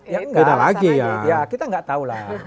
ya nggak kita nggak tahu lah